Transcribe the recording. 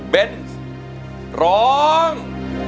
เป็นร้อง